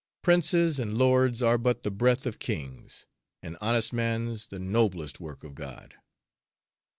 Princes and lords are but the breath of kings, 'An honest man's the noblest work of God.'"